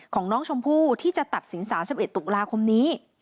ของน้องชมพู่ที่จะตัดสิน๓๑ตุลาคมนี้